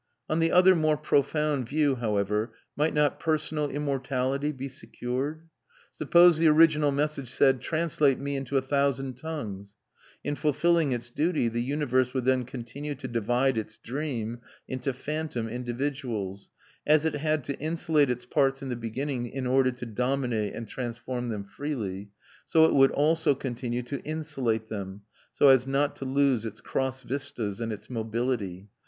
On the other more profound view, however, might not personal immortality be secured? Suppose the original message said: Translate me into a thousand tongues! In fulfilling its duty, the universe would then continue to divide its dream into phantom individuals; as it had to insulate its parts in the beginning in order to dominate and transform them freely, so it would always continue to insulate them, so as not to lose its cross vistas and its mobility.